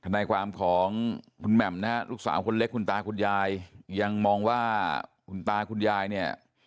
นายความของคุณแหม่มนะฮะลูกสาวคนเล็กคุณตาคุณยายยังมองว่าคุณตาคุณยายเนี่ย